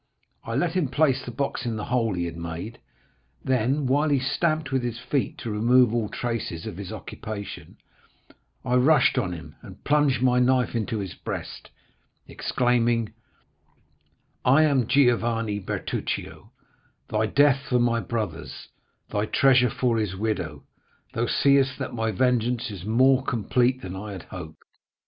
I let him place the box in the hole he had made, then, while he stamped with his feet to remove all traces of his occupation, I rushed on him and plunged my knife into his breast, exclaiming: "'I am Giovanni Bertuccio; thy death for my brother's; thy treasure for his widow; thou seest that my vengeance is more complete than I had hoped.